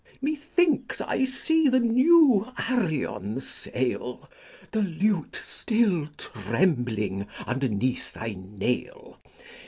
Methinks I see the new Arion sail, The lute still trembling underneath thy nail.